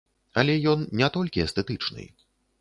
Але ён не толькі эстэтычны.